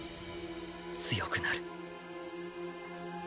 強くなる。